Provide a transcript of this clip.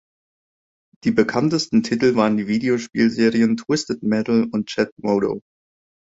Die bekanntesten Titel waren die Videospielserien „Twisted Metal“ und „Jet Moto“.